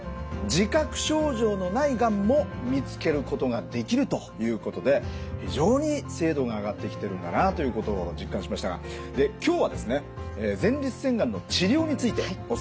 自覚症状のないがんも見つけることができるということで非常に精度が上がってきてるんだなということを実感しましたが今日はですね前立腺がんの治療についてお伝えしていくと。